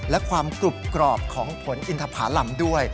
และความกรุบกรอบของผลอินทภาลำด้วย